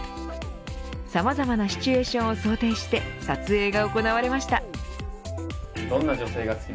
さまざまなシチュエーションを想定して撮影が行われました。